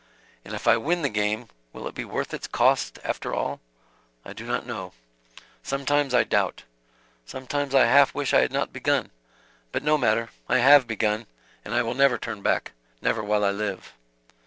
And if I win the game, will it be worth its cost after all? I do not know. Sometimes I doubt. Sometimes I half wish I had not begun. But no matter; I have begun, and I will never turn back; never while I live."